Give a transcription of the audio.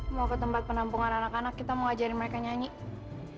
mau ke tempat penampungan anak anak kita mau ajarin mereka nyanyi